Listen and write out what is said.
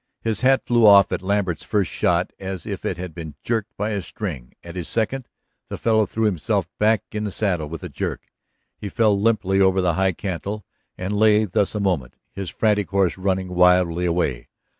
His hat flew off at Lambert's first shot as if it had been jerked by a string; at his second, the fellow threw himself back in the saddle with a jerk. He fell limply over the high cantle and lay thus a moment, his frantic horse running wildly away.